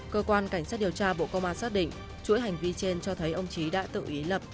cơ quan cảnh sát điều tra bộ công an xác định chuỗi hành vi trên cho thấy ông trí đã tự ý lập